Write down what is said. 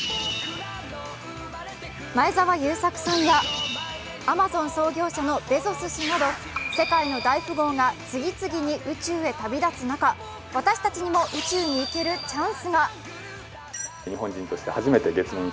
前澤友作さんやアマゾン創業者のベゾス氏など世界の大富豪が次々に宇宙へ旅立つ中、私たちにも宇宙に行けるチャンスが。